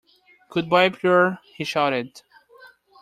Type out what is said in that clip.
Goodbye, Pierre, he shouted.